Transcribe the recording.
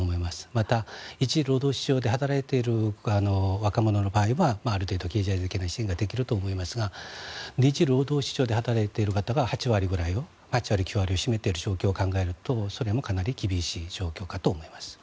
また、１次労働市場で働いている若者の場合はある程度、経済的な支援ができると思いますが１次労働市場で働いている人が８割９割を占めている状況を考えるとそれもかなり厳しい状況かと思います。